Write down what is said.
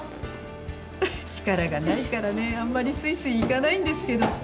力がないからねあんまりスイスイ行かないんですけど。